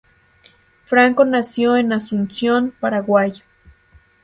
Franco nació en Asunción, Paraguay.